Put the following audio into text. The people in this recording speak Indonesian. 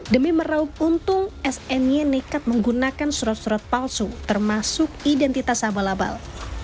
demi meraup untung smy nekat menggunakan surat surat palsu termasuk identitas abal abal